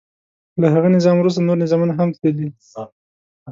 له هغه نظام وروسته نور نظامونه هم تللي.